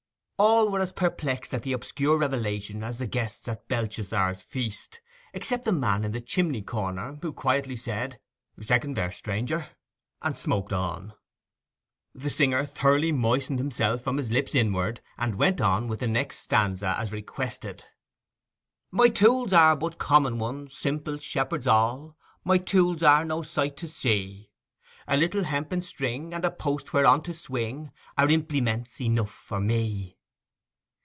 All were as perplexed at the obscure revelation as the guests at Belshazzar's Feast, except the man in the chimney corner, who quietly said, 'Second verse, stranger,' and smoked on. The singer thoroughly moistened himself from his lips inwards, and went on with the next stanza as requested: My tools are but common ones, Simple shepherds all— My tools are no sight to see: A little hempen string, and a post whereon to swing, Are implements enough for me!